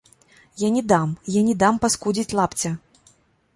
Я не дам, я не дам паскудзіць лапця!